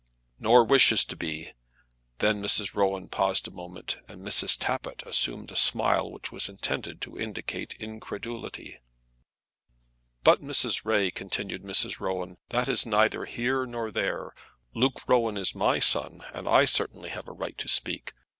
"Nor wishes to be!" Then Mrs. Rowan paused a moment, and Mrs. Tappitt assumed a smile which was intended to indicate incredulity. "But Mrs. Ray," continued Mrs. Rowan, "that is neither here nor there. Luke Rowan is my son, and I certainly have a right to speak.